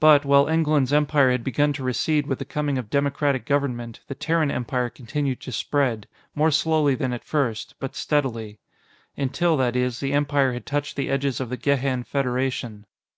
But, while England's empire had begun to recede with the coming of democratic government, the Terran Empire continued to spread more slowly than at first, but steadily. Until, that is, the Empire had touched the edges of the Gehan Federation.